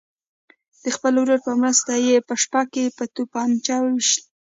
د خپل ورور په مرسته یې په شپه کې په توپنچه ویشت.